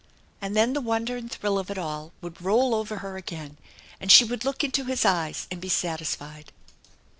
And then the wonder and thrill of it all would roll over her again and she would look into his eyes and be satisfied.